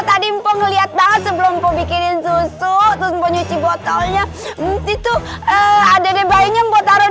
tadi mpeng lihat banget sebelum bikinin susu tuh nyuci botolnya itu adede bayinya mau taruh